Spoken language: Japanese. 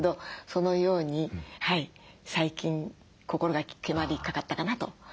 そのように最近心が決まりかかったかなと。